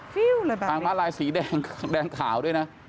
ตรงมาลายสีแดงขาวด้วยนะ